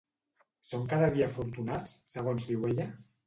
Són cada dia afortunats, segons diu ella?